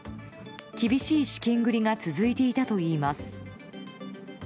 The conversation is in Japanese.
厳しい資金繰りが続いていたといいます。